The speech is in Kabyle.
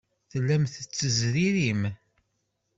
Tellam tettezririm.